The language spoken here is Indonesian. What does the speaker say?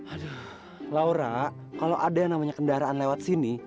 aduh laura kalau ada yang namanya kendaraan lewat sini